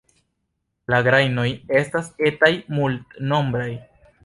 La grajnoj estas etaj, multnombraj.